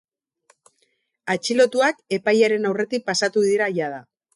Atxilotuak epailaren aurretik pasatu dira jada.